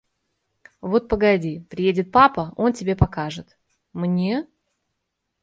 Вот погоди, приедет папа, он тебе покажет! – Мне?